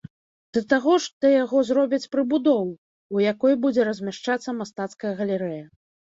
Да таго ж да яго зробяць прыбудову, у якой будзе размяшчацца мастацкая галерэя.